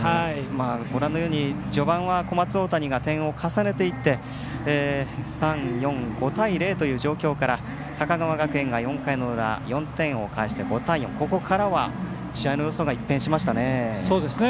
ご覧のように序盤は小松大谷が点を重ねていって５対０という状況から高川学園が４回の裏４点を返して５対４、ここからは試合の様相が一変しましたね。